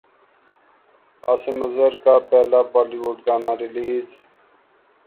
عاصم اظہر کا پہلا بولی وڈ گانا ریلیز